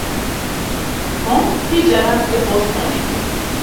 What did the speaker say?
Tom pirî caran tê bostonê.